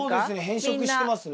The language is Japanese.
変色してますね。